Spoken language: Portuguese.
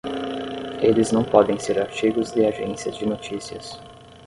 Eles não podem ser artigos de agências de notícias.